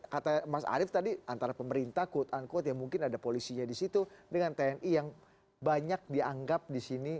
kata mas arief tadi antara pemerintah quote unquote ya mungkin ada polisinya di situ dengan tni yang banyak dianggap di sini